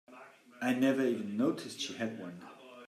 I never even noticed she had one.